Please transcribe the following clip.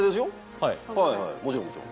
はいはいもちろんもちろん。